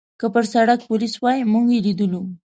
که پر سړک پولیس وای، موږ یې لیدلو.